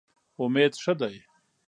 امید ښه دی.